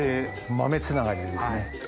豆つながりでですね。